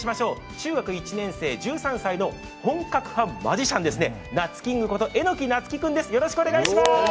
中学１年生、１３歳の本格はマジシャン、なつキングこと榎木夏樹君です。